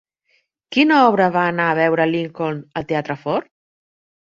Quina obra va anar a veure Lincoln al Teatre Ford?